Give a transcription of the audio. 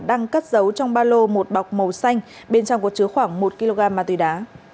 đang cắt dấu trong ba lô một bọc màu xanh bên trong của chứa khoảng một kg ma túy đá